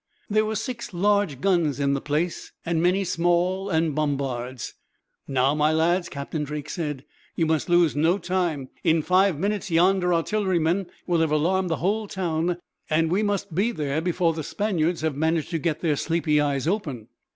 There were six large guns in the place, and many small, and bombards. "Now, my lads," Captain Drake said, "you must lose no time. In five minutes, yonder artillerymen will have alarmed the whole town, and we must be there before the Spaniards have managed to get their sleepy eyes open.